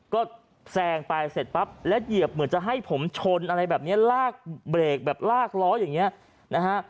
ก็แซงไปเสร็จปั๊บแล้วเหยียบเหมือนจะให้ผมชนอะไรแบบนี้ลากเบรกแบบลากล้ออย่างนี้นะฮะ